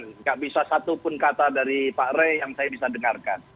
tidak bisa satupun kata dari pak rey yang saya bisa dengarkan